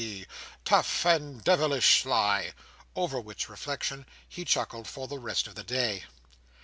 B. Tough, and de vilish sly!" over which reflection he chuckled for the rest of the day.